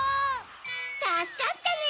たすかったネ！